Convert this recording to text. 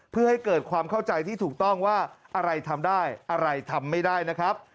เพื่อให้เกิดความเข้าใจที่ถูกต้องว่าอะไรทำได้อะไรทำไม่ได้นะครับ